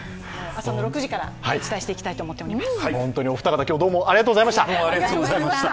朝の６時からお伝えしていきたいと思っています。